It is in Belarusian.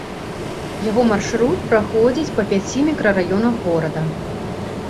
Яго маршрут праходзіць па пяці мікрараёнах горада.